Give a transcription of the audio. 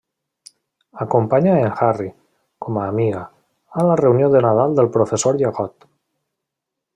Acompanya a en Harry, com a amiga, a la reunió de Nadal del professor Llagot.